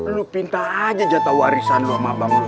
lu pinter aja jatoh warisan lu sama bang lu